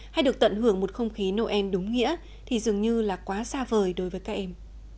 hay được tận hưởng một không khí noel đúng nghĩa thì dường như là quá xa vời đối với các em